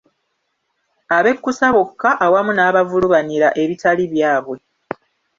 Abekkusa bokka awamu n’abavulubanira ebitali byabwe.